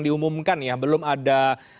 diumumkan ya belum ada